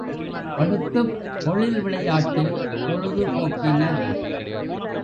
அடுத்துப் பொழில் விளையாட்டில் பொழுது போக்கினர்.